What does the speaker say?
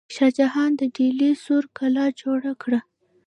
شاه جهان د ډیلي سور کلا جوړه کړه.